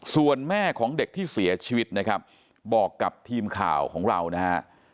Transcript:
ส่วนแม่ของเด็กที่เสียชีวิตนะครับบอกกับทีมข่าวของเรานะฮะ